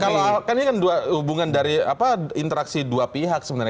kalau kan ini kan dua hubungan dari interaksi dua pihak sebenarnya